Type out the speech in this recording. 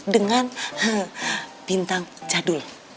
dengan bintang jadul